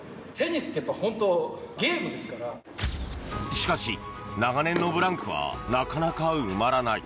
しかし、長年のブランクはなかなか埋まらない。